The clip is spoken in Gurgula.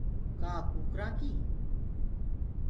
ڪآ ڪرآنٚ ڪي